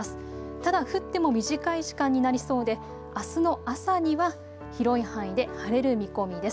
ただ降っても短い時間になりそうであすの朝には広い範囲で晴れる見込みです。